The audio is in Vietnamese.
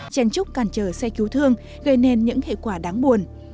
chèn trúc cản trở xe cứu thương gây nên những hệ quả đáng buồn